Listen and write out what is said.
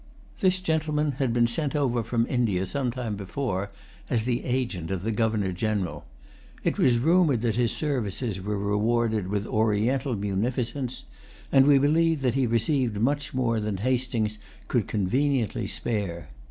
This gentleman had been sent over from India some time before as the agent of the Governor General. It was rumored that his services were rewarded with Oriental munificence; and we believe that he received much more than Hastings could conveniently spare.